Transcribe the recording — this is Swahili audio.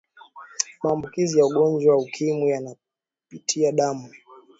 maambukizi ya ugonjwa wa ukimwi yanapitia damu